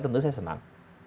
tentu saya senang